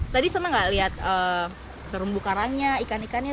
tadi senang gak lihat terumbu karangnya ikan ikannya